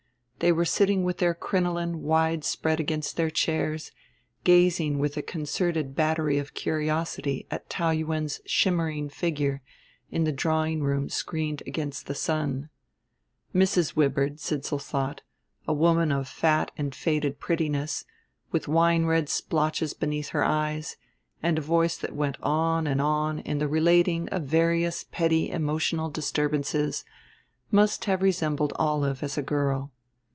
They were sitting with their crinoline widespread against their chairs, gazing with a concerted battery of curiosity at Taou Yuen's shimmering figure in the drawing room screened against the sun. Mrs. Wibird, Sidsall thought a woman of fat and faded prettiness, with wine red splotches beneath her eyes, and a voice that went on and on in the relating of various petty emotional disturbances must have resembled Olive as a girl.